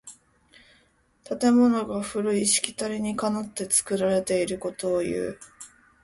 建物が古いしきたりにかなって作られていることをいう。